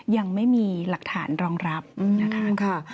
ยังไม่มีหลักฐานรองรับนะคะ